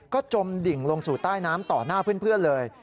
ก็จมดิ่งลงสู่ใต้น้ำต่อหน้าเพื่อนเลย